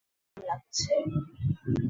হ্যাঁ - দেখতে সুন্দর লাগছে।